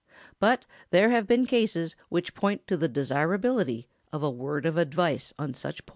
But there have been cases which point to the desirability of a word of advice on such points.